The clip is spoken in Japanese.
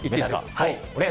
はい。